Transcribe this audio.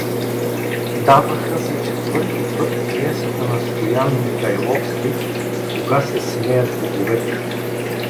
Даваха за четвърти път пиесата на Ст.Михайловски „Кога се смеят боговете“.